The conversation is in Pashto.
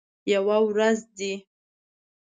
یوه ورځ دي